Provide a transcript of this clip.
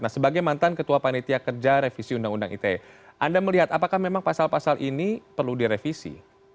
nah sebagai mantan ketua panitia kerja revisi undang undang ite anda melihat apakah memang pasal pasal ini perlu direvisi